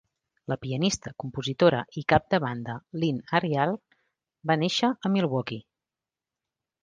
La pianista, compositora i cap de banda Lynne Arriale va néixer a Milwaukee.